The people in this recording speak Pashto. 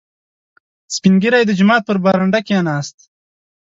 • سپین ږیری د جومات په برنډه کښېناست.